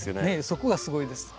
そこがすごいです。